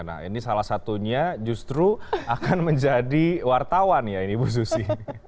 nah ini salah satunya justru akan menjadi wartawan ya ini bu susi